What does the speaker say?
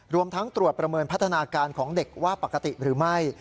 รวมทั้งตรวจประเมินพัฒนาการของเด็กว่าปกติหรือไม่